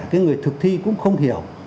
cái người thực thi cũng không hiểu